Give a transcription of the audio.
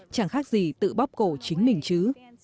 chẳng khác gì tự bóc cổ chính mình chứ